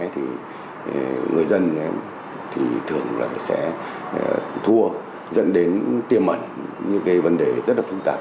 thì người dân thường sẽ thua dẫn đến tiêm ẩn những vấn đề rất phức tạp